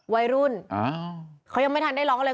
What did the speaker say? วัยรุ่นเขายังไม่ทันได้ร้องอะไร